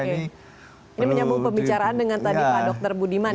ini menyambung pembicaraan dengan pak dokter budiman ya